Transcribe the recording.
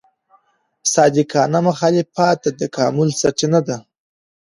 صادقانه مخالفت د تکامل سرچینه ده.